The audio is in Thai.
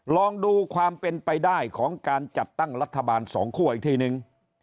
ลองดูความเป็นไปได้ของการจัดตั้งรัฐบาลสองคั่วอีกทีนึง